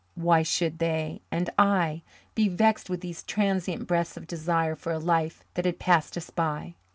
Why should they and I be vexed with these transient breaths of desire for a life that had passed us by?